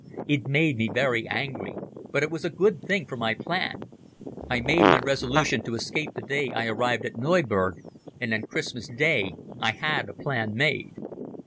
It made me very angry, but it was a good thing for my plan. I made my resolution to escape the day I arrived at Neuburg, and on Christmas Day I had a plan made."